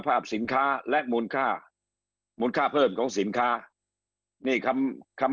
ภาพสินค้าและมูลค่ามูลค่าเพิ่มของสินค้านี่คำคำ